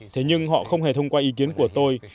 thế nhưng họ không hề thông qua ý kiến của tôi